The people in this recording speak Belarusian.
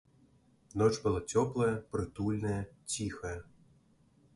Ноч была цёплая, прытульная, ціхая.